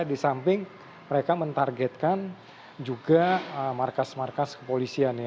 di samping mereka mentargetkan juga markas markas kepolisian ya